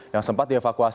yang sempat dievakuasi